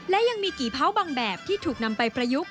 และยังมีกี่เผาบางแบบที่ถูกนำไปประยุกต์